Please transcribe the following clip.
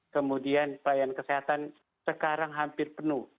kemudian pelayanan kesehatan sekarang hampir penuh